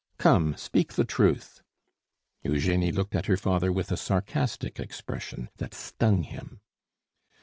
Come, speak the truth!" Eugenie looked at her father with a sarcastic expression that stung him.